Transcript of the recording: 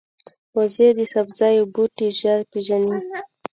وزې د سبزیو بوټي ژر پېژني